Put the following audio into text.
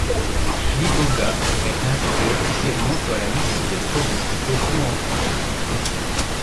L'iboga est inscrit officiellement sur la liste des produits stupéfiants en France.